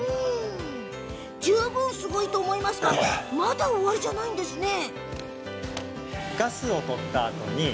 十分すごいと思うんですがまだ終わりじゃないんですね。